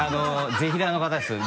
ぜひらーの方ですよ